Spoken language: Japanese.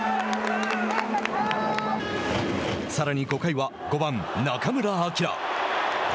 さらに５回は５番中村晃。